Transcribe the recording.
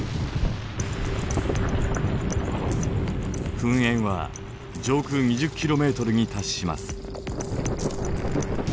噴煙は上空２０ｋｍに達します。